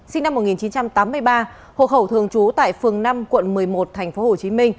sinh năm một nghìn chín trăm tám mươi ba hộ khẩu thường trú tại phường năm quận một mươi một tp hcm